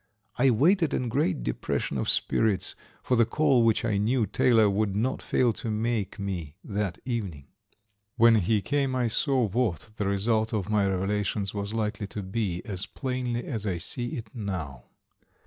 I waited in great depression of spirits for the call which I knew Taylor would not fail to make me that evening. When he came I saw what the result of my revelations was likely to be as plainly as I see it now.